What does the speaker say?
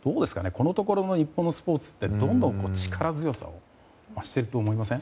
このところの日本のスポーツってどんどん力強さを増していると思いません？